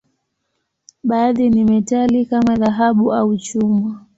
Baadhi ni metali, kama dhahabu au chuma.